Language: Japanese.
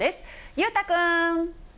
裕太君。